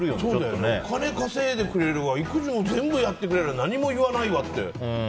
お金稼いでくれるわ育児も全部やってくれる、何も言わない。